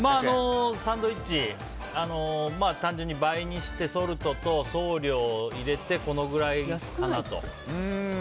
サンドイッチ、単純に倍にしてソルトと送料を入れてこのくらいかなと。